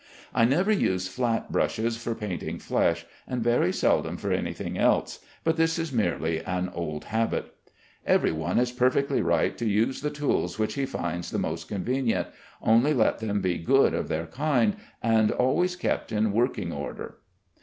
I never use flat brushes for painting flesh, and very seldom for any thing else, but this is merely an old habit. Every one is perfectly right to use the tools which he finds the most convenient, only let them be good of their kind, and always kept in working order.